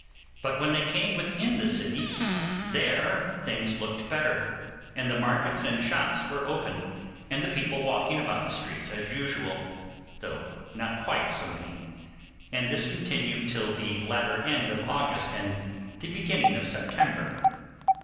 But when they came within the city, there things looked better, and the markets and shops were open, and the people walking about the streets as usual, though not quite so many; and this continued till the latter end of August and the beginning of September.